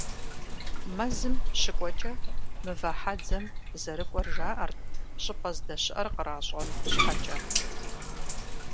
Мэзым щыкӀуэкӀэ, «Мывэ хьэдзэм» зэрыкӀуэр жаӀэрт, щӀыпӀэ здэщыӀэр къращӀэн щхьэкӀэ.